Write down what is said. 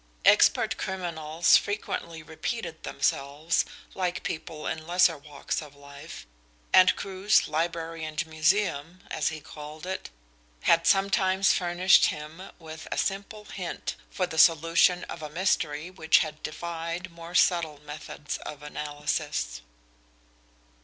Expert criminals frequently repeated themselves, like people in lesser walks of life, and Crewe's "library and museum," as he called it, had sometimes furnished him with a simple hint for the solution of a mystery which had defied more subtle methods of analysis.